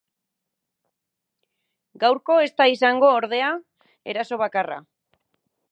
Gaurko ez da izango, ordea, eraso bakarra.